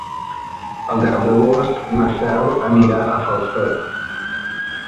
El deu d'agost na Cel anirà a Falset.